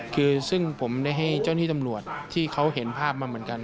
คือซึ่งผมได้ให้เจ้าหน้าที่ตำรวจที่เขาเห็นภาพมาเหมือนกัน